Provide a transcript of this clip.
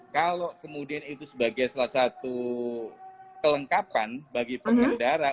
kalau kemudian itu sebagai salah satu kelengkapan bagi pengendara